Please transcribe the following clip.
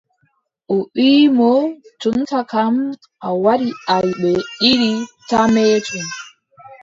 O wiʼi mo: jonta kam, a waɗi aybe ɗiɗi taa meetu.